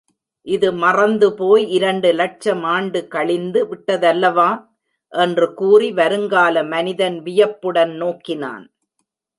இது மறந்துபோய் இரண்டு லட்சம் ஆண்டு கழிந்து விட்டதல்லவா? என்று கூறி வருங்கால மனிதன் வியப்புடன் நோக்கினான்.